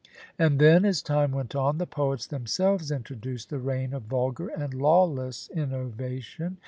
And then, as time went on, the poets themselves introduced the reign of vulgar and lawless innovation.